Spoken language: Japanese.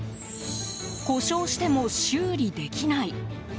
故障しても修理できない。